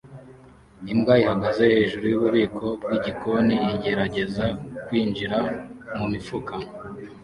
Imbwa ihagaze hejuru yububiko bwigikoni igerageza kwinjira mumifuka